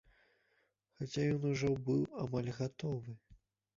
Хаця ён ужо быў амаль гатовы.